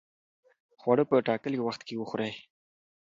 خواړه په ټاکلي وخت کې وخورئ.